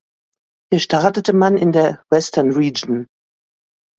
Hier startete man in der Western Region.